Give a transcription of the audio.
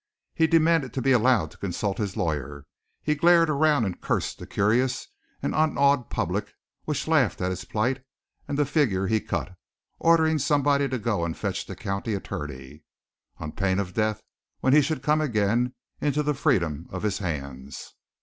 He demanded to be allowed to consult his lawyer, he glared around and cursed the curious and unawed public which laughed at his plight and the figure he cut, ordering somebody to go and fetch the county attorney, on pain of death when he should come again into the freedom of his hands.